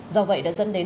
do vậy đã dẫn đến